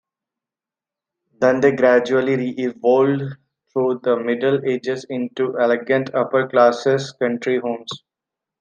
Then they gradually re-evolved through the Middle Ages into elegant upper-class country homes.